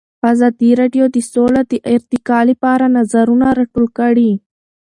ازادي راډیو د سوله د ارتقا لپاره نظرونه راټول کړي.